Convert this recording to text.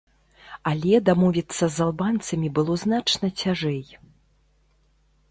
Але дамовіцца з албанцамі было значна цяжэй.